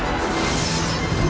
jangan berani kurang ajar padaku